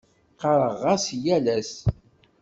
Ɣɣareɣ-as yal ass.